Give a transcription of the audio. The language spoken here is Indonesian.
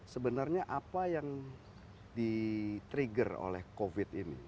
sebenarnya apa yang di trigger oleh covid ini